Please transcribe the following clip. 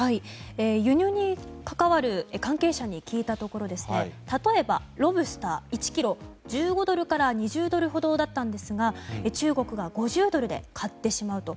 輸入に関わる関係者に聞いたところ例えば、ロブスター１ｋｇ１５ドルから２０ドルほどだったんですが中国が５０ドルで買ってしまうと。